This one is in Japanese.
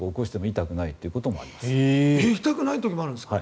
痛くない時もあるんですか？